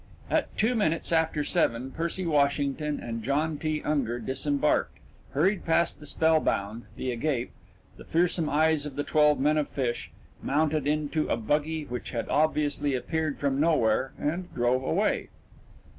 At two minutes after seven Percy Washington and John T. Unger disembarked, hurried past the spellbound, the agape, the fearsome eyes of the twelve men of Fish, mounted into a buggy which had obviously appeared from nowhere, and drove away.